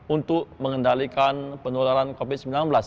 untuk mengendalikan penularan covid sembilan belas